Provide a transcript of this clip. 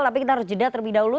tapi kita harus jeda terlebih dahulu